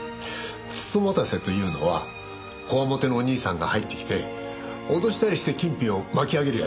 美人局というのは強面のお兄さんが入ってきて脅したりして金品を巻き上げるやつでしょ？